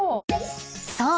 ［そう。